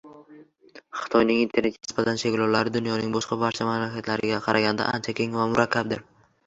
Xitoyning internetga nisbatan cheklovlari dunyoning boshqa barcha mamlakatlariga qaraganda ancha keng va murakkabdir.